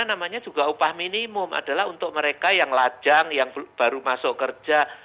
karena namanya juga upah minimum adalah untuk mereka yang lajang yang baru masuk kerja